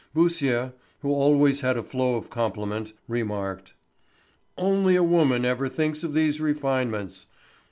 Beausire, who always had a flow of compliment, remarked: "Only a woman ever thinks of these refinements."